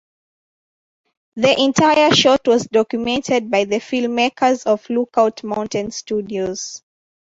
The entire shot was documented by the filmmakers of Lookout Mountain studios.